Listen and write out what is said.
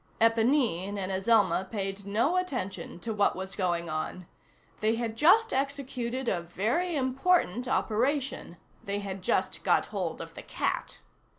Éponine and Azelma paid no attention to what was going on. They had just executed a very important operation; they had just got hold of the cat.